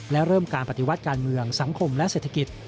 และเริ่มการปฏิวัติการเมืองสังคมและเศรษฐกิจ